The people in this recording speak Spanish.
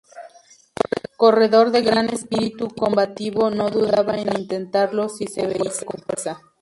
Corredor de gran espíritu combativo no dudaba en intentarlo si se veía con fuerza.